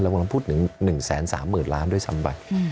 เรากำลังพูดหนึ่งแสนสามหมื่นล้านด้วยซ้ำไป